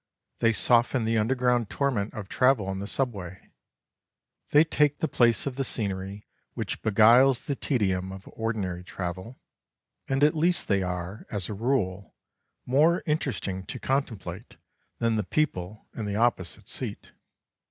They soften the underground torment of travel in the Subway, they take the place of the scenery which beguiles the tedium of ordinary travel, and at least they are, as a rule, more interesting to contemplate than the people in the opposite seat.